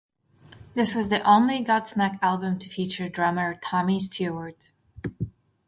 This was the only Godsmack album to feature drummer Tommy Stewart.